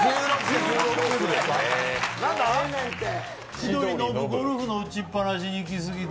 千鳥・ノブ、ゴルフの打ちっぱなしに行き過ぎで。